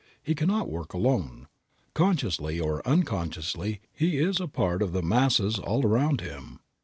He cannot work alone. Consciously or unconsciously he is a part of the masses all around him.